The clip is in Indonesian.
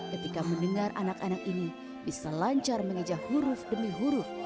ketika mendengar anak anak ini bisa lancar mengejar huruf demi huruf